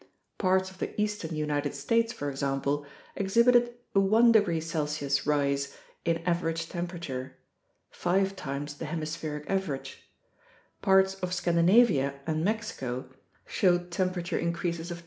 Parts of the eastern United States, for example, exhibited a 1.0 °C rise in average temperature (5 times the hemispheric average), parts of Scandinavia and Mexico showed temperature increases of 2.